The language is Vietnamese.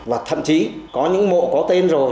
và thậm chí có những mộ có tên rồi